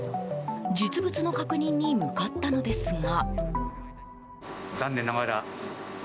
実物の確認に向かったのですが。